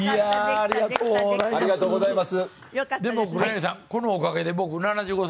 ありがとうございます。